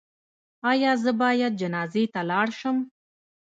ایا زه باید جنازې ته لاړ شم؟